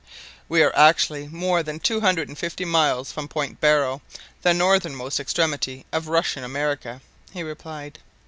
"We are actually more than two hundred and fifty miles from Point Barrow, the northernmost extremity of Russian America," he replied.